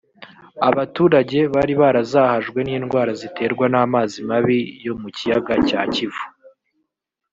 Abaturage bari barazahajwe n’indwara ziterwa n’amazi mabi yo mu kiyaga cya Kivu